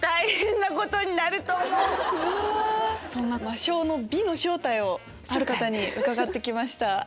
魔性の美の正体をある方に伺って来ました。